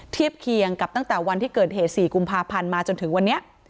เทียบเคียงกับตั้งแต่วันที่เกิดเหตุ๔กุมภาพันธ์มาจนถึงวันนี้